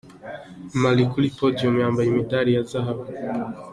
Mali kuri "Podium" yambaye imidali ya Zahabu .